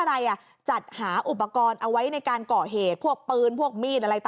อะไรอ่ะจัดหาอุปกรณ์เอาไว้ในการก่อเหตุพวกปืนพวกมีดอะไรต่าง